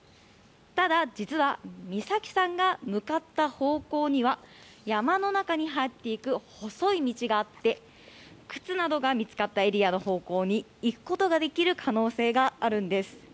ただ、実は美咲さんが向かった方向には山の中に入っていく細い道があって靴などが見つかったエリアの方向に行くことができる可能性があるんです。